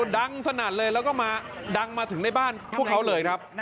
ดังสนั่นเลยแล้วก็มาดังมาถึงในบ้านพวกเขาเลยครับ